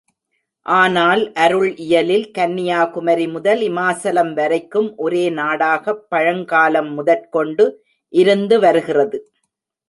ஆனால் அருள் இயலில் கன்னியாகுமரி முதல் இமாசலம் வரைக்கும் ஒரே நாடாகப் பழங்காலம் முதற்கொண்டு இருந்து வருகிறது.